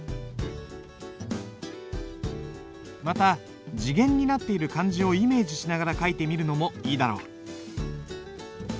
また字源になっている漢字をイメージしながら書いてみるのもいいだろう。